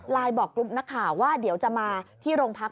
บอกกรุ๊ปนักข่าวว่าเดี๋ยวจะมาที่โรงพัก